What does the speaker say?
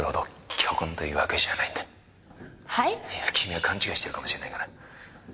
君は勘違いしてるかもしれないがな。